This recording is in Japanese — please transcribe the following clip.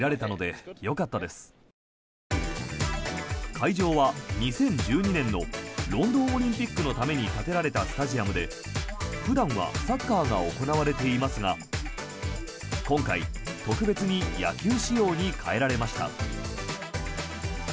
会場は２０１２年のロンドンオリンピックのために建てられたスタジアムで普段はサッカーが行われていますが今回、特別に野球仕様に変えられました。